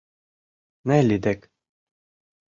Нелли дек...